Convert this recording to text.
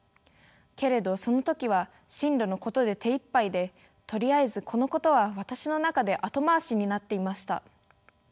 けれどその時は進路のことで手いっぱいでとりあえずこのことは私の中で後回しになっていました。